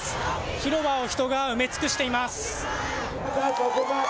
広場を人が埋め尽くしています。